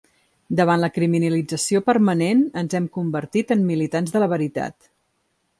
Davant la criminalització permanent ens hem convertit en militants de la veritat.